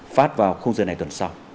phát vào không giờ này tuần sau